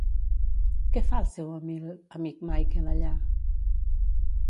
Què fa el seu amic Michael allà?